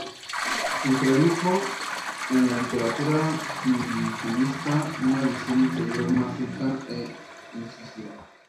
Introdujo en la literatura indigenista una visión interior más rica e incisiva.